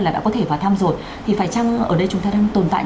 các bệnh viện đã có thể vào thăm rồi thì phải chăng ở đây chúng ta đang tồn tại